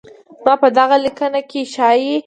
زما په دغه ليکنه کې ښايي